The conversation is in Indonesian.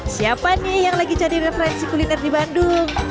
siapa nih yang lagi cari referensi kuliner di bandung